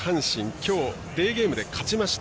きょうデーゲームで勝ちました。